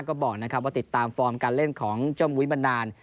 ก็บอกนะครับว่าติดตามฟอร์มการเล่นของเจ้ามุ้ยมานาน